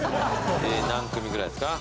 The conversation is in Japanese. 何組ぐらいですか。